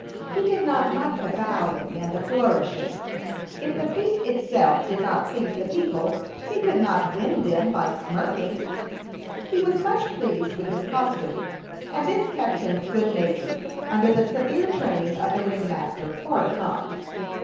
He did not like the bowing and the flourishing. If the feat itself did not please the people, he could not win them by smirking. He was much pleased with his costume, and this kept him good natured, under the severe training of the ring master, for a time.